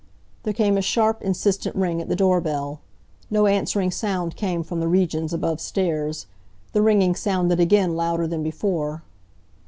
There came a sharp, insistent ring at the door bell. No answering sound came from the regions above stairs. The ringing sounded again, louder than before.